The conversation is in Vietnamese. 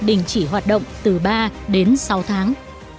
đình chỉ hoạt động từ ba đến sáu tháng